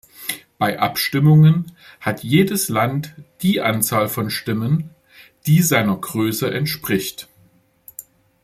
Bei Abstimmungen hat jedes Land die Anzahl von Stimmen, die seiner Größe entspricht.